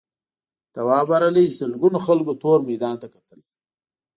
تواب ورغی سلگونو خلکو تور میدان ته کتل.